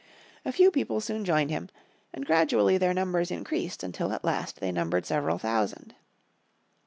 A few people soon joined him and gradually their numbers increased until at last they numbered several thousand.